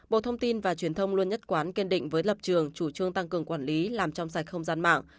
bộ thông tin và truyền thông luôn nhất quán kiên định với lập trường chủ trương tăng cường quản lý làm trong sạch không gian mạng